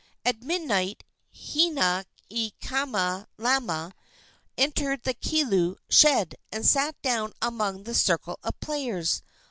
At midnight Hinaikamalama entered the kilu shed and sat down among the circle of players.